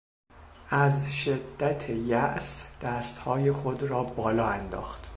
از شدت یاس دستهای خود را بالا انداخت.